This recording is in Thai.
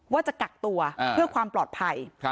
ว่าจะกักตัวเพื่อความปลอดภัย